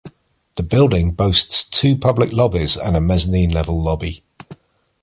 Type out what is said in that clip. The building boasts two public lobbies and a mezzanine-level lobby.